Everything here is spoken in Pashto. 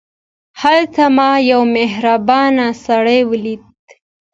هلته ما یو مهربان سړی ولید.